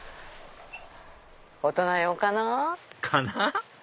大人用かな？かな？